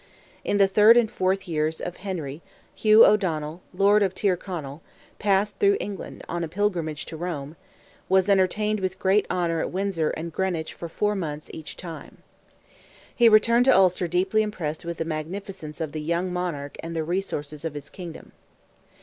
In the third and fourth years of Henry, Hugh O'Donnell, lord of Tyrconnell, passing through England, on a pilgrimage to Rome, was entertained with great honour at Windsor and Greenwich for four months each time. He returned to Ulster deeply impressed with the magnificence of the young monarch and the resources of his kingdom.